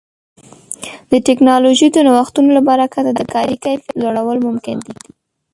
د ټکنالوژۍ د نوښتونو له برکت د کاري کیفیت لوړول ممکن دي.